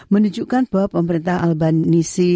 menunjukkan bahwa pemerintah albanisi